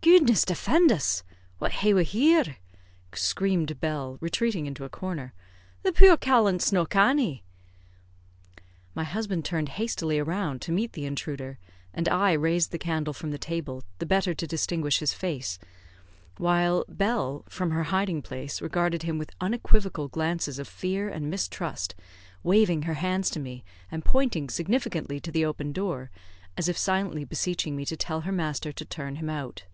"Guidness defend us! Wha ha'e we here?" screamed Bell, retreating into a corner. "The puir callant's no cannie." My husband turned hastily round to meet the intruder, and I raised the candle from the table the better to distinguish his face; while Bell, from her hiding place, regarded him with unequivocal glances of fear and mistrust, waving her hands to me, and pointing significantly to the open door, as if silently beseeching me to tell her master to turn him out.